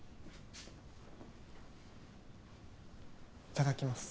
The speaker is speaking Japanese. いただきます。